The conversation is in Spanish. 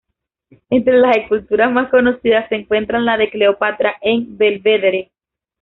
Entre las esculturas más conocidas, se encuentra la de "Cleopatra" en el Belvedere.